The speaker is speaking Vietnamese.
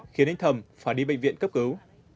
khiến anh thẩm phải đi bệnh viện cấp cứu